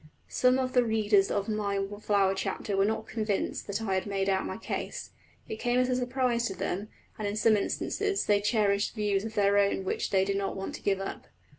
Some of the readers of my flower chapter were not convinced that I had made out my case: it came as a surprise to them, and in some instances they cherished views of their own which they did not want to give up.